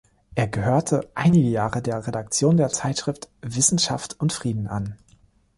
Er gehörte einige Jahre der Redaktion der Zeitschrift "Wissenschaft und Frieden" an.